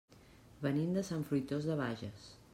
Venim de Sant Fruitós de Bages.